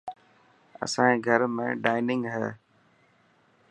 اسائي گهر ۾ ڊائنگ هي.